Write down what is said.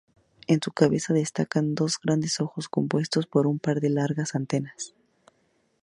En su cabeza destacan dos grandes ojos compuestos y un par de largas antenas.